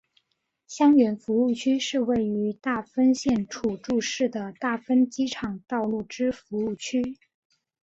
相原服务区是位于大分县杵筑市的大分机场道路之服务区。